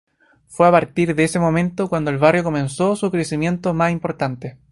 Fue a partir de ese momento, cuando el barrio comenzó su crecimiento más importante.